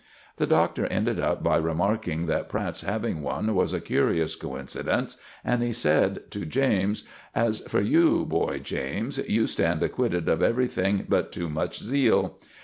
The Doctor ended up by remarking that Pratt's having one was a curious coincidence, and he said to James, "As for you, boy James, you stand acquitted of everything but too much zeal.